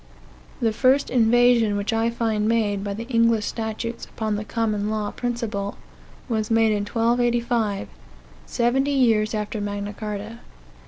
The first invasion which I find made, by the English statutes, upon this common law principle, was made in I285, seventy years after Magna Carta.